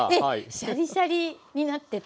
シャリシャリになってて。